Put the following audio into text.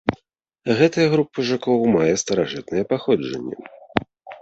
Гэтая група жукоў мае старажытнае паходжанне.